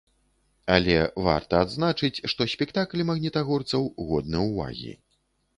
Але варта адзначыць, што спектакль магнітагорцаў годны ўвагі.